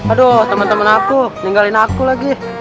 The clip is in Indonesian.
aduh temen temen aku ninggalin aku lagi